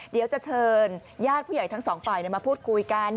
เดี๋ยวจะเชิญญาติผู้ใหญ่ทั้งสองฝ่ายมาพูดคุยกัน